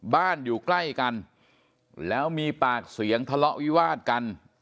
อยู่ใกล้กันแล้วมีปากเสียงทะเลาะวิวาดกัน